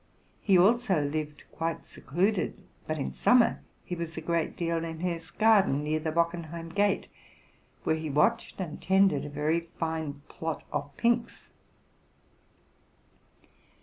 He also lived quite secluded; but in summer he was a great deal in his garden, near the Bockenheim gate, where he watched and tended a very fine plot of pinks.